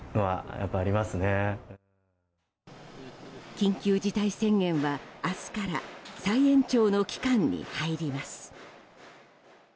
緊急事態宣言は明日から再延長の期間に入ります。